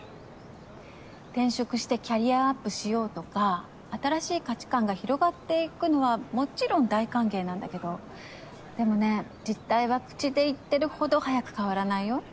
転職してキャリアアップしようとか新しい価値観が広がっていくのはもちろん大歓迎なんだけどでもね実態は口で言ってるほど早く変わらないよ。